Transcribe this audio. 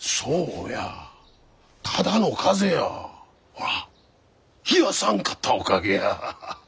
ほら冷やさんかったおかげや。